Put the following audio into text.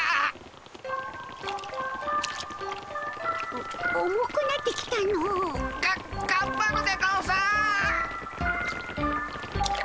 お重くなってきたの。ががんばるでゴンス。